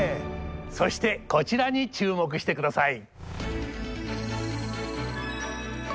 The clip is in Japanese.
そしてこちらに注目してください！